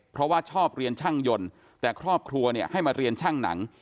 เพราะว่าชอบเรียนช่างยนต์แต่ครอบครัวเนี่ยให้มาเรียนช่างหนัง